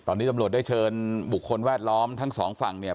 ตอนนี้ตำรวจได้เชิญบุคคลแวดล้อมทั้งสองฝั่งเนี่ย